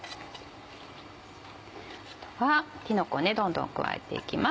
あとはきのこどんどん加えていきます。